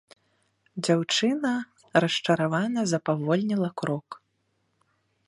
Дзяўчына расчаравана запавольніла крок.